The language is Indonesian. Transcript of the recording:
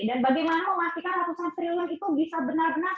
dan bagaimana memastikan ratusan triliun itu bisa benar benar